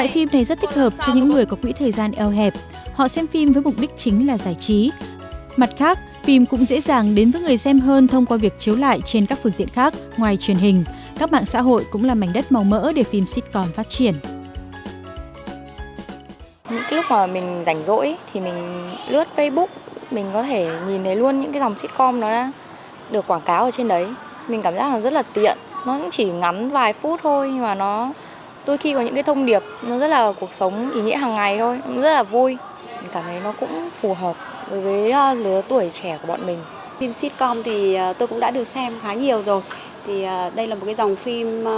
phim sitcom thì tôi cũng đã được xem khá nhiều rồi thì đây là một cái dòng phim thực ra thì nó cũng không phải là mới